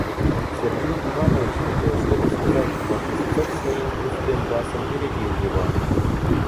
Сергей Иванович хотел что-то сказать, но Песцов своим густым басом перебил его.